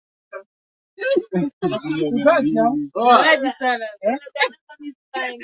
Ni wale waliokuwa wakipiga muziki wa dansi na pengine taarabu na kwaya